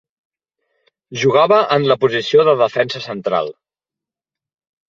Jugava en la posició de defensa central.